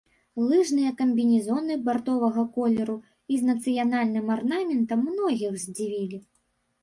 Лыжныя камбінезоны бардовага колеру і з нацыянальным арнаментам многіх здзівілі.